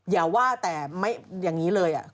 อย่าว่าแต่อย่างนี้เลย